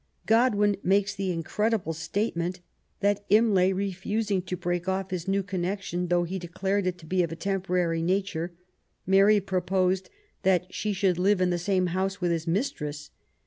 (jodwin makes the incredible statement |that Imlay refusing to break off his new connection, though he declared it to be of a temporary nature, Mary proposed that she should live in the same house with his mistress.